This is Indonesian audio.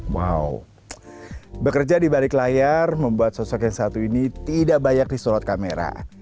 wow bekerja di balik layar membuat sosok yang satu ini tidak banyak disorot kamera